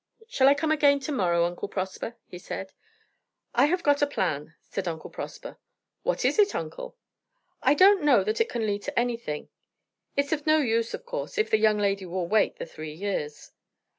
"Shall I come again to morrow, Uncle Prosper?" he said. "I have got a plan," said Uncle Prosper. "What is it, uncle?" "I don't know that it can lead to anything. It's of no use, of course, if the young lady will wait the three years."